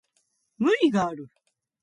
無理がある